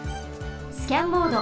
スキャンモード。